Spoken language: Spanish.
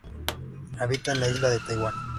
Habita en la Isla de Taiwán.